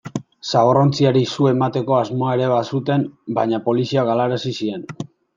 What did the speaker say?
Zaborrontziari su emateko asmoa ere bazuten, baina poliziak galarazi zien.